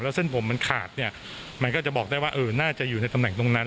เส้นผมมันขาดเนี่ยมันก็จะบอกได้ว่าน่าจะอยู่ในตำแหน่งตรงนั้น